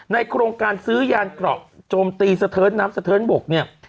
โครงการซื้อยานเกราะโจมตีสะเทิร์นน้ำสะเทินบกเนี่ย